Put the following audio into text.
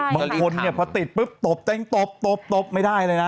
บางคนพอติดปุ๊บตบแจ้งตบไม่ได้เลยนะ